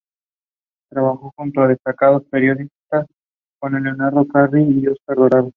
Trabajo junto a destacados periodistas como Lorenzo Carri y Oscar Dorado.